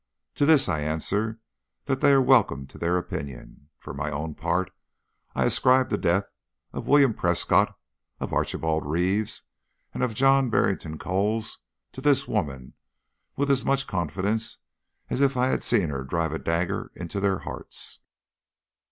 To this, I answer that they are welcome to their opinion. For my own part, I ascribe the death of William Prescott, of Archibald Reeves, and of John Barrington Cowles to this woman with as much confidence as if I had seen her drive a dagger into their hearts.